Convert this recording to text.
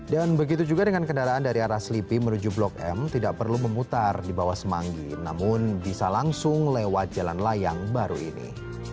dan begitu juga dengan kendaraan dari arah slipi menuju blok m tidak perlu memutar di bawah semanggi namun bisa langsung lewat jalan layang baru ini